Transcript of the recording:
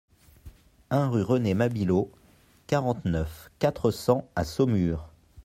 un rue René Mabileau, quarante-neuf, quatre cents à Saumur